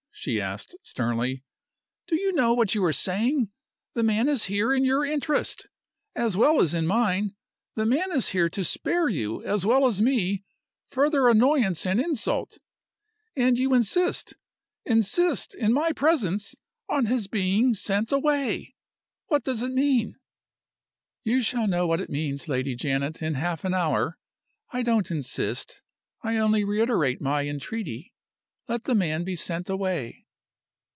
she asked, sternly. "Do you know what you are saying? The man is here in your interest, as well as in mine; the man is here to spare you, as well as me, further annoyance and insult. And you insist insist, in my presence on his being sent away! What does it mean?" "You shall know what it means, Lady Janet, in half an hour. I don't insist I only reiterate my entreaty. Let the man be sent away."